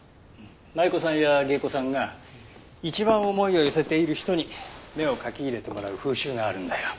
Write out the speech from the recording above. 舞妓さんや芸妓さんが一番思いを寄せている人に目を描き入れてもらう風習があるんだよ。